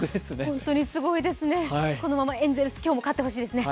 本当にすごいですね、このままエンゼルス、勝ってほしいですね。